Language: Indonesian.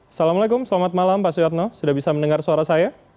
assalamualaikum selamat malam pak suyatno sudah bisa mendengar suara saya